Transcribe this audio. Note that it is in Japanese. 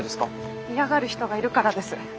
嫌がる人がいるからです。